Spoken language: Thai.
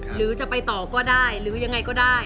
หรือจะไปต่อก็ได้หรือยังไงก็ได้